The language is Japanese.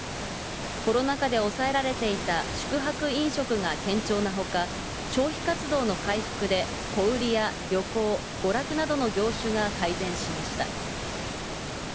コロナ禍で抑えられていた宿泊・飲食が堅調なほか、消費活動の回復で、小売りや旅行、娯楽などの業種が改善しました。